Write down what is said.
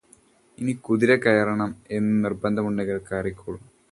ഇനി കുതിര കയറണം എന്നു നിർബന്ധമുണ്ടെങ്കിൽ കയറിക്കോളൂ.